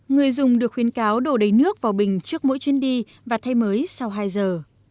người dùng được khuyến cáo đổ đầy nước vào bình trước mỗi chuyến đi và thay mới sau hai giờ